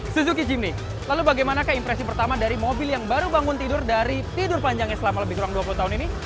suzuki jimmy lalu bagaimanakah impresi pertama dari mobil yang baru bangun tidur dari tidur panjangnya selama lebih kurang dua puluh tahun ini